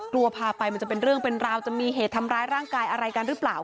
พาไปมันจะเป็นเรื่องเป็นราวจะมีเหตุทำร้ายร่างกายอะไรกันหรือเปล่า